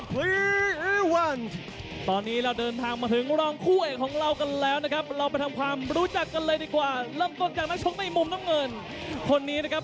๕๕ไฟเสมอ๑ไฟและแพ้๒๐ไฟครับ